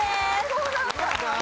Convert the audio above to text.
そうなんだ！